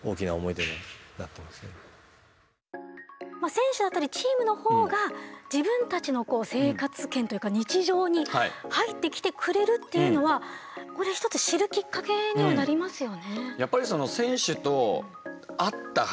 選手だったりチームの方が自分たちの生活圏というか日常に入ってきてくれるっていうのはここで一つ知るきっかけにはなりますよね。